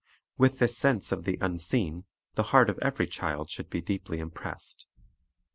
With this sense of the Unseen the heart of every child should be deeply impressed.